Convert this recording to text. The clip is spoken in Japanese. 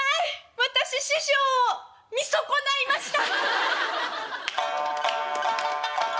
私師匠を見損ないました」。